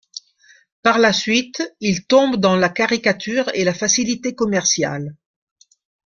Par la suite, il tombe dans la caricature et la facilité commerciale.